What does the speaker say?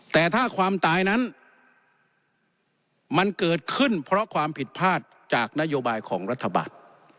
แต่ถ้าความตายนั้นมันเกิดขึ้นเพราะความผิดพลาดจากนโยบายของรัฐบาล